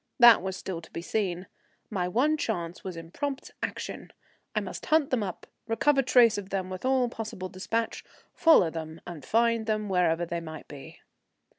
That was still to be seen. My one chance was in prompt action; I must hunt them up, recover trace of them with all possible despatch, follow them, and find them wherever they might be.